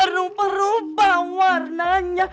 rupa rupa warnanya